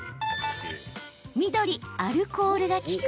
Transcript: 緑・アルコールが効く？